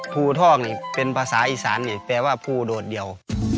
ภูทอกนี่เป็นภาษาอีสานนี่แปลว่าภูโดดเดียว